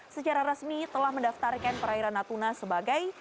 secara resmi telah mendaftarkan perairan natuna sebagai